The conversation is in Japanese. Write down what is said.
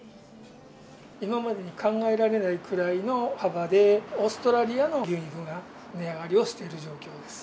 今までに考えられないくらいの幅で、オーストラリアの牛肉が値上がりをしている状況です。